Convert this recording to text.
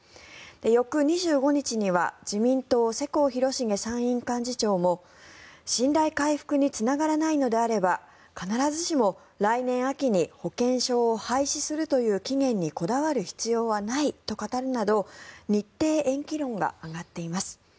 翌２５日には自民党、世耕弘成参院幹事長も信頼回復につながらないのであれば必ずしも来年秋に保険証を廃止するという期限にこだわる必要はないと語るなど日程延期論が挙がっています。